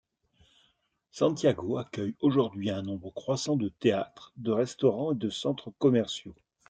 Santiago accueille aujourd'hui un nombre croissant de théâtres, de restaurants et de centres commerciaux.